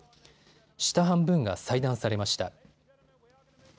下半分が細断されました。